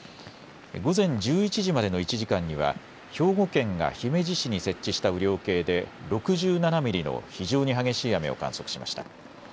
午前１１時までの１時間には兵庫県が姫路市に設置した雨量計で６７ミリの非常に激しい雨を観測しました。